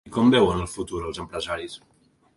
I com veuen el futur els empresaris?